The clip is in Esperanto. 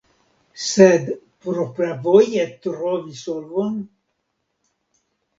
Sed propravoje trovi solvon?